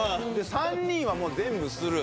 ３人はもう全部スルー。